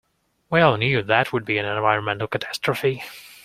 We all knew that would be an environmental catastrophe.